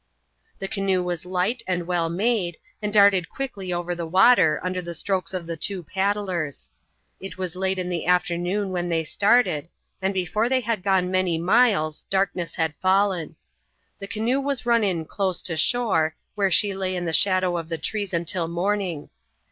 The canoe was light and well made, and darted quickly over the water under the strokes of the two paddlers. It was late in the afternoon when they started, and before they had gone many miles darkness had fallen. The canoe was run in close to shore, where she lay in the shadow of the trees until morning.